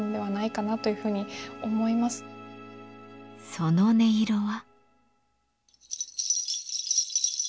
その音色は。